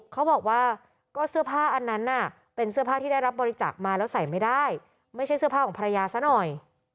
เขาบอกว่าก็เสื้อผ้าอันนั้นน่ะเป็นเสื้อผ้าที่ได้รับบริจาคมาแล้วใส่ไม่ได้ไม่ใช่เสื้อผ้าของภรรยาซะหน่อย